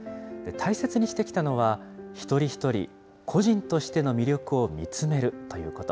大切にしてきたのは、一人一人、個人としての魅力を見つめるということ。